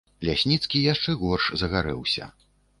Лясніцкі яшчэ горш загарэўся.